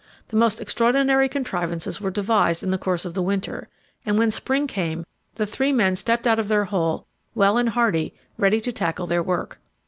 The most extraordinary contrivances were devised in the course of the winter, and when spring came the three men stepped out of their hole, well and hearty, ready to tackle their work.